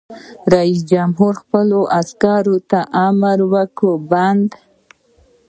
رئیس جمهور خپلو عسکرو ته امر وکړ؛ بند!